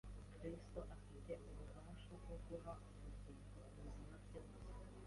Kristo afite ububasha bwo guha ubugingo ibiremwa byose.